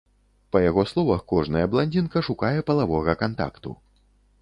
Па яго словах, кожная бландзінка шукае палавога кантакту.